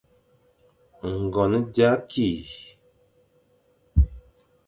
Ngon za ki,